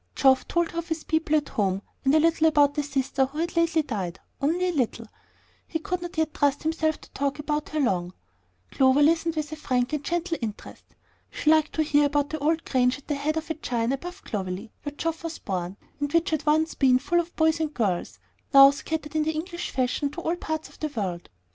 Geoff told her of his people at home, and a little about the sister who had lately died; only a little, he could not yet trust himself to talk long about her. Clover listened with frank and gentle interest. She liked to hear about the old grange at the head of a chine above Clovelley, where Geoff was born, and which had once been full of boys and girls, now scattered in the English fashion to all parts of the world.